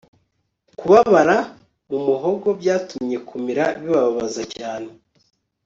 kubabara mu muhogo byatumye kumira bibabaza cyane